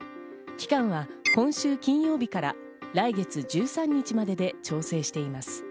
期間は今週金曜日から来月１３日までで調整しています。